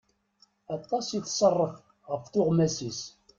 Aṭas i tṣerref ɣef tuɣmas-is.